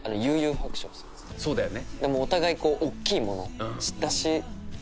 そうだよね。